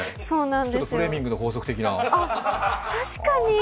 ちょっとフレミングの法則的な。